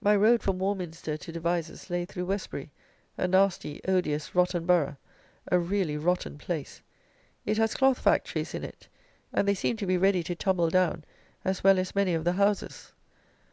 My road from Warminster to Devizes lay through Westbury, a nasty odious rotten borough, a really rotten place. It has cloth factories in it, and they seem to be ready to tumble down as well as many of the houses.